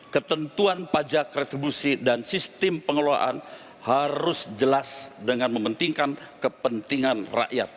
ketentuan pajak retribusi dan sistem pengelolaan harus jelas dengan mementingkan kepentingan rakyat